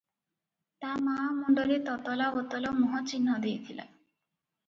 ତା’ ମା’ ମୁଣ୍ଡରେ ତତଲା ବୋତଲ ମୁହଁ ଚିହ୍ନ ଦେଇଥିଲା ।